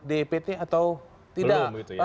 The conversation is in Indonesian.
dept atau tidak belum gitu ya